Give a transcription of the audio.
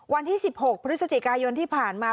วันที่๑๖พฤศจิกายนที่ผ่านมา